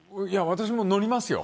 私も乗りますよ。